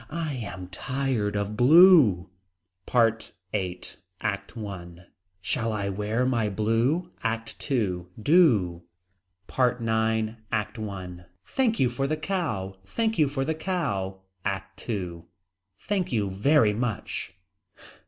I am tired of blue. PART VIII. ACT I. Shall I wear my blue. ACT II. Do. PART IX. ACT I. Thank you for the cow. Thank you for the cow. ACT II. Thank you very much.